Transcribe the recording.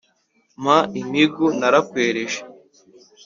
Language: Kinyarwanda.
Mpa impigu narakwereje